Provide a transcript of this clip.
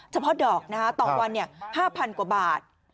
เฉพาะดอกต่อวัน๕๐๐กว่าบาท